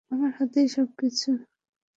আমার হাতেই সব কিছু।